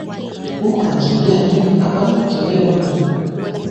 Uko nakimbia nini apana kukimbia bwana